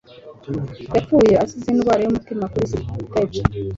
Yapfuye azize indwara y'umutima kuri stage.